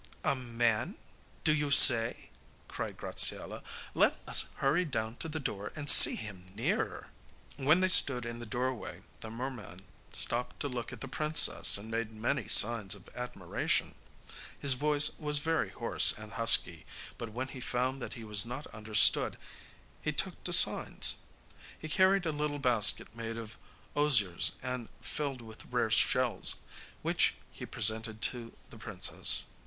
'A man, do you say?' cried Graziella; 'let us hurry down to the door and see him nearer.' When they stood in the doorway the merman stopped to look at the princess and made many signs of admiration. His voice was very hoarse and husky, but when he found that he was not understood he took to signs. He carried a little basket made of osiers and filled with rare shells, which he presented to the princess.